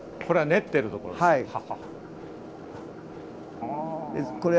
これは練ってるところですか。